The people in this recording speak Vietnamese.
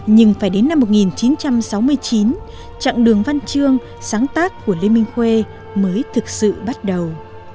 nhưng phải đến năm một nghìn chín trăm sáu mươi chín chặng đường văn chương sáng tác của lê minh khuê mới thực sự bắt đầu